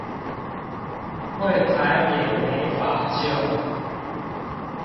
櫃檯也沒法救